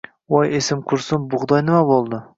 voy esim qursin...Bug’doy nima bo’ldi..